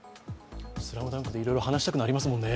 「ＳＬＡＭＤＵＮＫ」でいろいろ話したくなりますもんね。